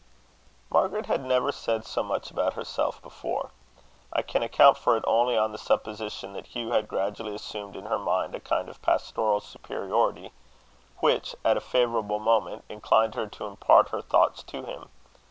Margaret had never said so much about herself before. I can account for it only on the supposition that Hugh had gradually assumed in her mind a kind of pastoral superiority, which, at a favourable moment, inclined her to impart her thoughts to him.